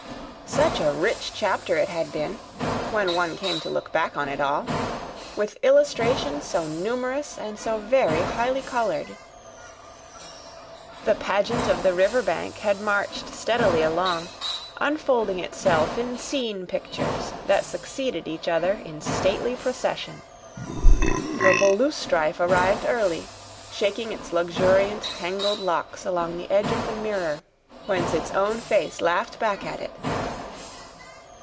Such a rich chapter it had been, when one came to look back on it all! With illustrations so numerous and so very highly coloured! The pageant of the river bank had marched steadily along, unfolding itself in scene pictures that succeeded each other in stately procession. Purple loosestrife arrived early, shaking luxuriant tangled locks along the edge of the mirror whence its own face laughed back at it.